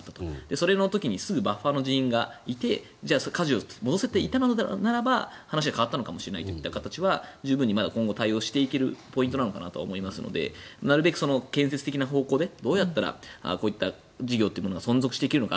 その時にすぐバッファーの人員がいてかじを戻せていたならば話は変わったのかもしれないという形は十分に今後、対応していけるポイントなのかなと思うのでなるべく建設的な方向でどうやったらこういった事業というのものが存続していけるのか。